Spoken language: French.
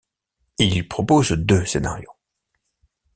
Il propose deux scénarios.